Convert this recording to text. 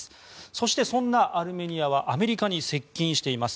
そして、そんなアルメニアはアメリカに接近しています。